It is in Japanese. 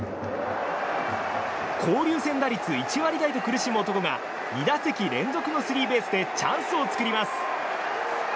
交流戦打率１割台と苦しむ男が２打席連続のスリーベースでチャンスを作ります。